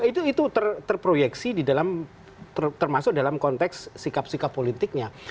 itu terproyeksi di dalam termasuk dalam konteks sikap sikap politiknya